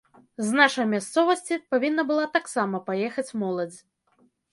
З нашай мясцовасці павінна была таксама паехаць моладзь.